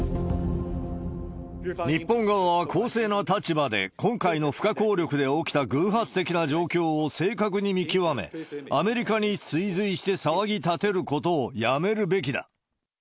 日本側は公正な立場で今回の不可抗力で起きた偶発的な状況を正確に見極め、アメリカに追随して騒ぎ立てることをやめるべきだ。